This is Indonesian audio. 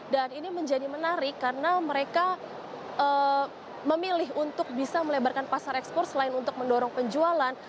dan ini menjadi menarik karena mereka memilih untuk bisa melebarkan pasaran ekspor selain untuk mendorong penjualan